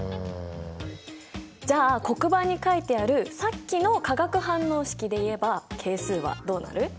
じゃあ黒板に書いてあるさっきの化学反応式で言えば係数はどうなる？